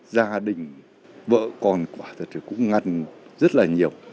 gia đình vợ con quả thật là cũng ngăn rất là nhiều